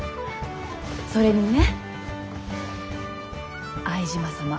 それにね相島様